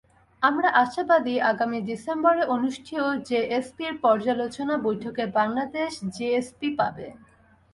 আমরা আশাবাদী, আগামী ডিসেম্বরে অনুষ্ঠেয় জিএসপির পর্যালোচনা বৈঠকে বাংলাদেশ জিএসপি পাবে।